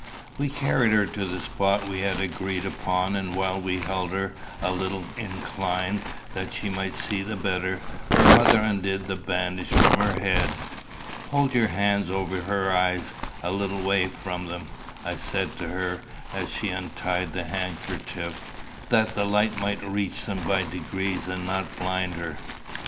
We carried her to the spot we had agreed upon, and while we held her a little inclined that she might see the better, her mother undid the bandage from her head. "Hold your hands over her eyes, a little way from them," I said to her as she untied the handkerchief, "that the light may reach them by degrees, and not blind her."